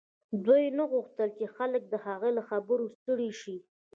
دوی نه غوښتل چې خلک د هغه له خبرو ستړي شي